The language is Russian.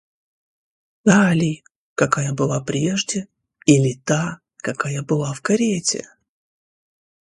Та ли, какая была прежде, или та, какая была в карете?